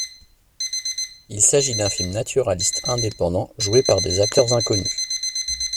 Il s'agit d'un film naturaliste, indépendant, joué par des acteurs inconnus.